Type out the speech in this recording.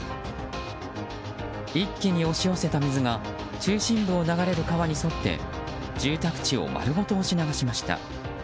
一気に押し寄せた水が中心部を流れる川に沿って住宅地を丸ごと押し流しました。